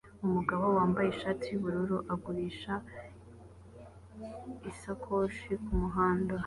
Umugabo wambaye ishati yubururu agurisha isakoshi kumuhanda